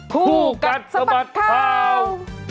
คู่กัดสะบัดข่าว